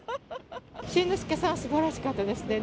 新之助さん、すばらしかったですね。